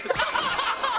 ハハハハ！